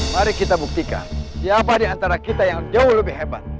mari kita buktikan siapa di antara kita yang jauh lebih hebat